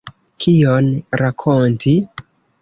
Kion rakonti?